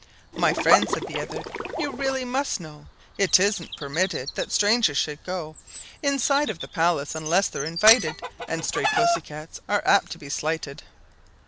"My friend," said the other, "you really must know It isn't permitted that strangers should go Inside of the palace, unless they're invited, And stray Pussy cats are apt to be slighted.